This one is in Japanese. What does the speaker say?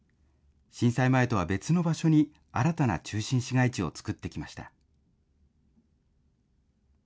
震災前とは別の場所に新たな中心市街地を作ってきました。